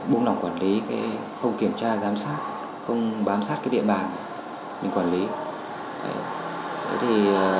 buông lọc quản lý không kiểm tra giám sát không bám sát cái địa bàn mình quản lý